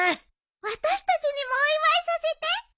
私たちにもお祝いさせて。